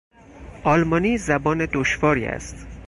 آلمانی زبان دشواری است.